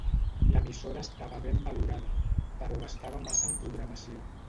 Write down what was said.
L'emissora estava ben valorada, però gastava massa en programació.